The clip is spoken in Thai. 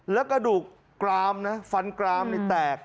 แล้วกระดูกกรามนะฟันกรามนี่แตก